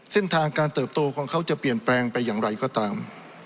เส้นทางการเติบโตของเขาจะเปลี่ยนแปลงไปอย่างไรก็ตาม